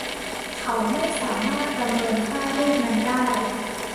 เขาไม่สามารถประเมินค่ารูปนั้นได้